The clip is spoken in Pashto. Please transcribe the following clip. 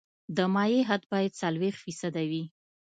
د مایع حد باید څلوېښت فیصده وي